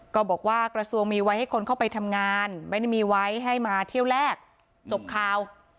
กระทรวงมีไว้ให้คนเข้าไปทำงานไม่ได้มีไว้ให้มาเที่ยวแรกจบข่าว